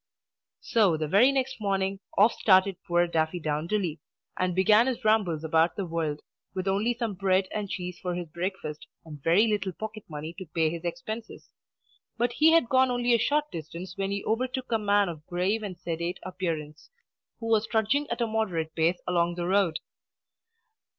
So the very next morning, off started poor Daffydowndilly, and began his rambles about the world, with only some bread and cheese for his breakfast, and very little pocket money to pay his expenses. But he had gone only a short distance when he overtook a man of grave and sedate appearance, who was trudging at a moderate pace along the road.